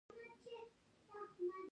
د لیمو او مالټې د ونو لپاره کومه سره ښه ده؟